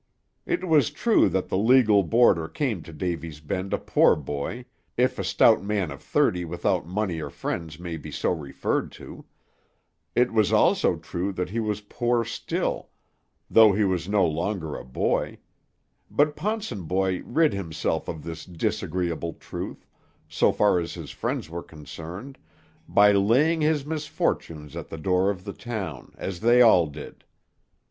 It was true that the legal boarder came to Davy's Bend a poor boy, if a stout man of thirty without money or friends may be so referred to; it was also true that he was poor still, though he was no longer a boy; but Ponsonboy rid himself of this disagreeable truth, so far as his friends were concerned, by laying his misfortunes at the door of the town, as they all did.